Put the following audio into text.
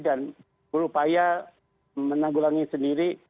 dan berupaya menanggulangi sendiri